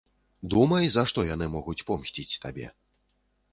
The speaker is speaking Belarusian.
Думай, за што яны могуць помсціць табе.